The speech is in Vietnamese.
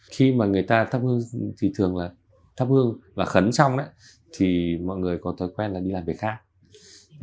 khi mà người ta thắp hương thì thường là thắp hương và khấn trong đấy thì mọi người có thói quen là đi làm việc khác